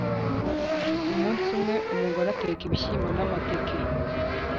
Umunsi umwe, umugore ateka ibishyimbo n’amateke,